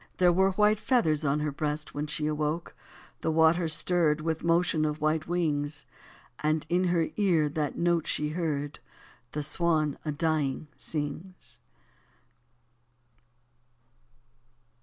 There were white feathers on her breast when she awoke ; the water stirred With motion of white wings, And in her ear that note she heard The swan a dying sings.